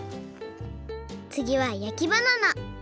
つぎは焼きバナナ！